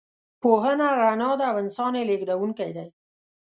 پوهه رڼا ده او انسان یې لېږدونکی دی.